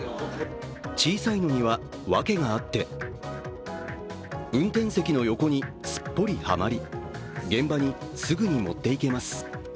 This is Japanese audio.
小さいのにはわけがあって運転席の横にすっぽりはまり、現場にすぐに持って行けます。